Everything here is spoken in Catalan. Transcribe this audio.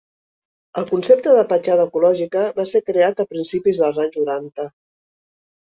El concepte de petjada ecològica va ser creat a principis dels anys noranta.